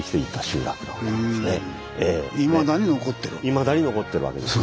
いまだに残ってるわけですね。